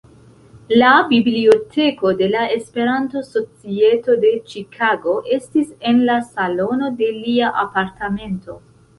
La Biblioteko de la Esperanto-Societo de Ĉikago estis en la salono de lia apartamento.